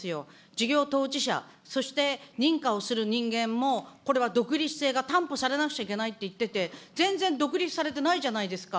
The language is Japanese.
事業当事者、そして認可をする人間も、これは独立性が担保されなくちゃいけないっていってて、全然、独立されてないじゃないですか。